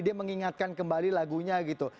dia mengingatkan kembali lagunya gitu